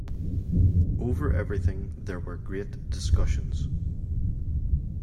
Over everything there were great discussions.